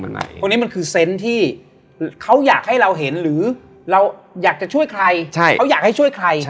ตรงนี้มันคือเซนต์ที่เขาอยากให้เราเห็นหรือเราอยากจะช่วยใครเขาอยากให้ช่วยใคร